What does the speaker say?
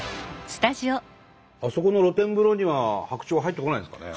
あそこの露天風呂には白鳥は入ってこないんですかね？